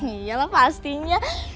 ya iyalah pastinya